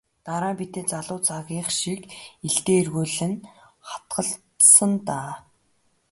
Дараа нь бидний залуу цагийнх шиг илдээ эргүүлэн хатгалцсан даа.